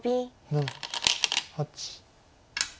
７８。